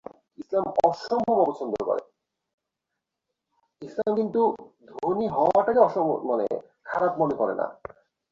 তুমি তো কিছু বলোনি আমাকে!